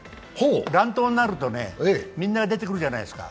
乱闘になるとみんなが出てくるじゃないですか。